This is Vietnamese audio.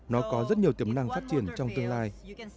nó có rất nhiều tiềm năng phát triển trong tương lai